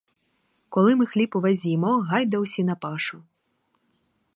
Коли ми хліб увесь з'їмо, гайда усі на пашу!